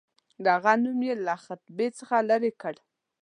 د هغه نوم یې له خطبې څخه لیري کړ.